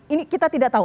ini kita tidak tahu